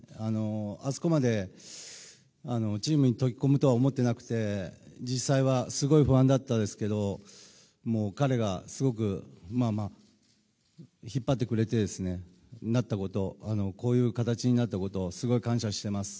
あそこまでチームに溶け込むとは思ってなくて実際はすごい不安でしたが彼がすごく引っ張ってくれてこういう形になったことすごく感謝してます。